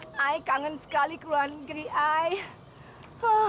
saya kangen sekali keluar negeri saya